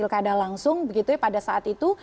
pilkada langsung begitu ya pada saat itu